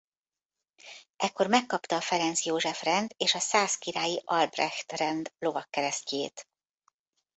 Ekkor megkapta a Ferenc József-rend és a szász királyi Albrecht-rend lovagkeresztjét.